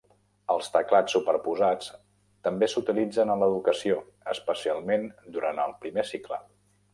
Els teclats superposats també s'utilitzen en l'educació, especialment durant el primer cicle.